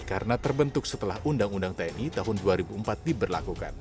karena terbentuk setelah undang undang tni tahun dua ribu empat diberlakukan